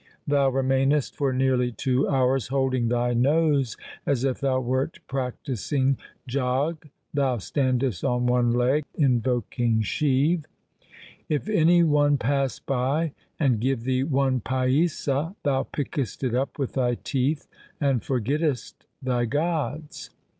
Thou remainest for nearly two hours holding thy nose as if thou wert practising Jog. Thou standest on one leg invoking Shiv. If any one pass by and give thee one paisa, thou pickest it up with thy teeth, and forgettest thy gods.